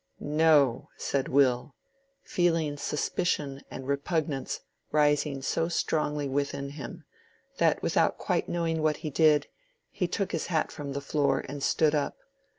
"No," said Will, feeling suspicion and repugnance rising so strongly within him, that without quite knowing what he did, he took his hat from the floor and stood up.